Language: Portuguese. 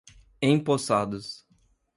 empossados